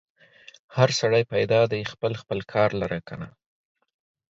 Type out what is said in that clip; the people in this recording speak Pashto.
هر سړی پیدا دی خپل خپل کار لره که نه؟